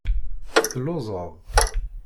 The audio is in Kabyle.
Telluẓeḍ?